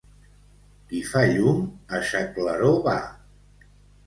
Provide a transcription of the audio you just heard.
Qui fa llum, a sa claror va.